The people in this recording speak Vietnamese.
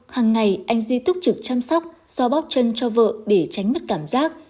hằng ngày anh duy túc trực chăm sóc so bóp chân cho vợ để tránh mất cảm giác